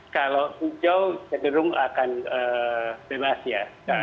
kalau hijau cenderung akan bebas ya